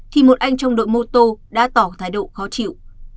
thì một anh trong đội mô tô đã tỏ thái độ khó chịu